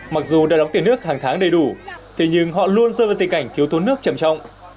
mặc dù đã đóng tiền nước hàng tháng đầy đủ thế nhưng họ luôn rơi vào tình cảnh thiếu thốn nước chầm trọng